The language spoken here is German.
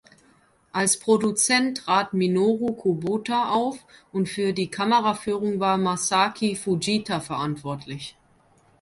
Als Produzent trat Minoru Kubota auf und für die Kameraführung war Masaaki Fujita verantwortlich.